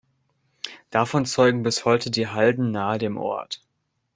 Davon zeugen bis heute die Halden nahe dem Ort.